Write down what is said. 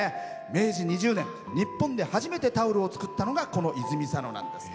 明治２０年日本で初めてタオルを作ったのはこの泉佐野なんです。